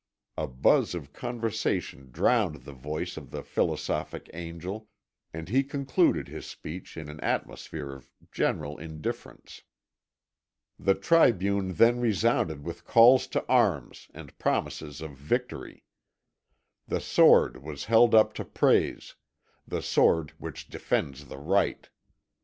A buzz of conversation drowned the voice of the philosophic angel, and he concluded his speech in an atmosphere of general indifference. The tribune then resounded with calls to arms and promises of victory. The sword was held up to praise, the sword which defends the right.